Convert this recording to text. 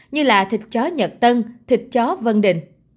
như là thịt chó nhật tân thịt chó vân đình